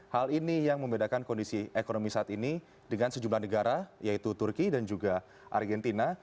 hal ini yang membedakan kondisi ekonomi saat ini dengan sejumlah negara yaitu turki dan juga argentina